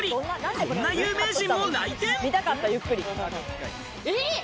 こんな有名人も来店！